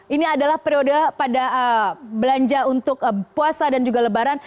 ini adalah periode pada belanja untuk puasa dan juga lebaran